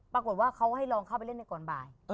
ปรากฏว่าเขาให้ลองเข้าไปเล่นในก่อนบ่าย